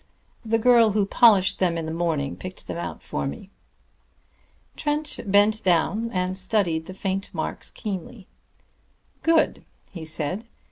The girl who polished them in the morning picked them out for me." Trent bent down and studied the faint marks keenly. "Good!" he said.